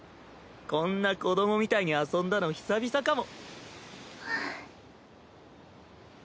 こんな子どもみたいに遊んだの久々かも。